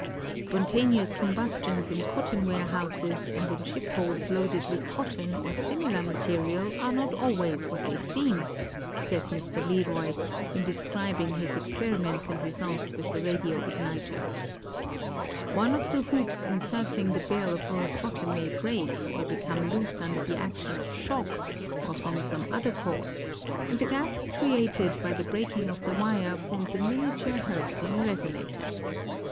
"Spontaneous combustions in cotton warehouses and in shipholds loaded with cotton or similar material, are not always what they seem," says Mr. Leroy, in describing his experi ments and results with the radio igniter. One of the hoops encircling the bale of raw cotton may break or become loose under the action of shock or from some other cause, and the gap created by the breaking of the wire, forms a miniature Hertzian resonator.